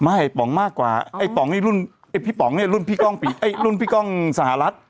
ไม่พี่ป๋องมากกว่าพี่ป๋องนี่รุ่นพี่ก้องสหรัฐ